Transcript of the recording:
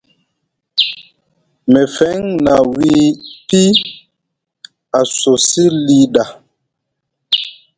Mefeŋ na wiini pi a cosi li ɗa,